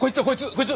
こいつ！